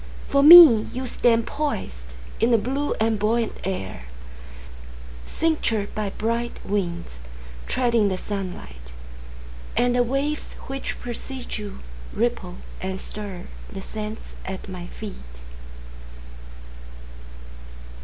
For me, You stand poisedIn the blue and buoyant air, Cinctured by bright winds, Treading the sunlight. And the waves which precede youRipple and stirThe sands at my feet.